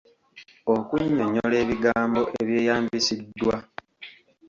Okunnyonnyola ebigambo ebyeyambisiddwa.